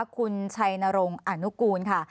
คุณชัยนรงค์อนุกูลค่ะ